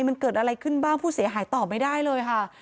มันเกิดอะไรขึ้นบ้างผู้เสียหายตอบไม่ได้เลยค่ะ